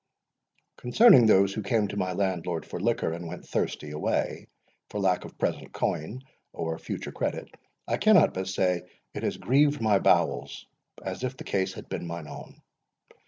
Concerning those who came to my Landlord for liquor, and went thirsty away, for lack of present coin, or future credit, I cannot but say it has grieved my bowels as if the case had been mine own.